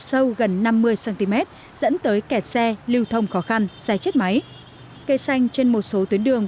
sâu gần năm mươi cm dẫn tới kẹt xe lưu thông khó khăn xe chết máy cây xanh trên một số tuyến đường